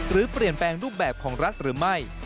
หรือเปลี่ยนแปลงรูปแบบของรัฐหรือไม่